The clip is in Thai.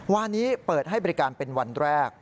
วันนี้เปิดให้บริการเป็นวันแรก